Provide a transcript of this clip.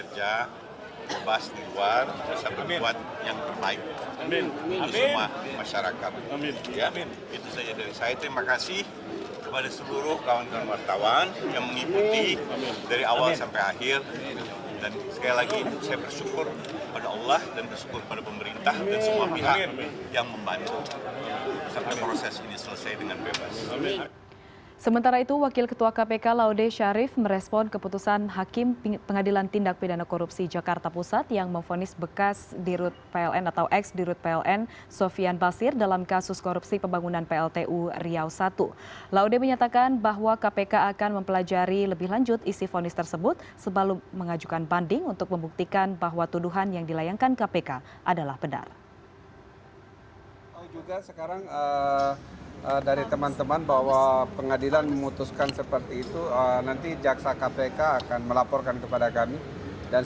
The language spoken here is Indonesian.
jangan lupa untuk berlangganan dan berlangganan